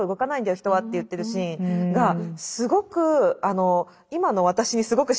人は」って言ってるシーンがすごく今の私にすごくしみいっちゃって。